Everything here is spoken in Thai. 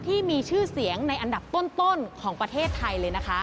ที่มีชื่อเสียงในอันดับต้นของประเทศไทยเลยนะคะ